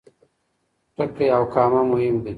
ټکی او کامه مهم دي.